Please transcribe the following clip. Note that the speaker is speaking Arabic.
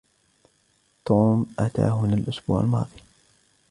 توم أتى هنا الإسبوع الماضي.